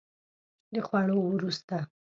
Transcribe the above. د خوړو وروسته